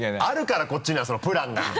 あるからこっちにはプランが！